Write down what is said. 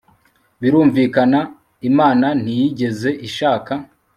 birumvikana, imana ntiyigeze ishaka